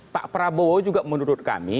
pak prabowo juga menurut kami